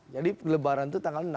jadi lebaran itu tanggal enam